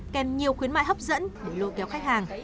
kèm nhiều khuyến mại hấp dẫn để lôi kéo khách hàng